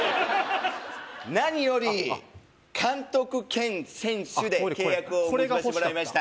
何より監督兼選手であっあっ契約を結ばしてもらいました